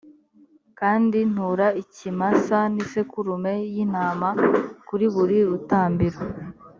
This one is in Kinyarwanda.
kandi ntura ikimasa n’isekurume y’intama kuri buri rutambiro.